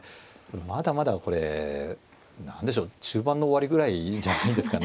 まだまだこれ何でしょう中盤の終わりぐらいじゃないですかね。